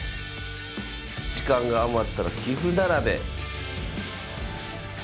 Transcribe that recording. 「時間が余ったら棋ふならべ」。